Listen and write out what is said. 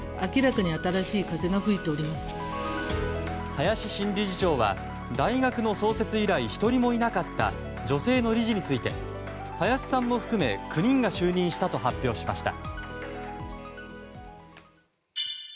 林新理事長は大学の創設以来１人もいなかった女性の理事について林さんも含め９人が就任したと発表しました。